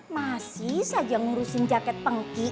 masih saja ngurusin jaket pengki